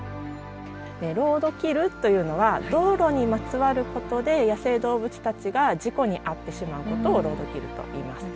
ロードキルというのは道路にまつわることで野生動物たちが事故に遭ってしまうことをロードキルといいます。